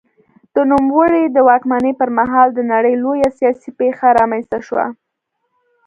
د نوموړي د واکمنۍ پر مهال د نړۍ لویه سیاسي پېښه رامنځته شوه.